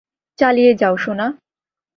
চালিয়ে যাও, সোনা।